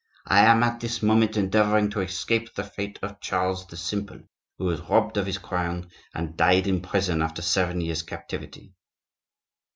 I am at this moment endeavoring to escape the fate of Charles the Simple, who was robbed of his crown, and died in prison after seven years' captivity."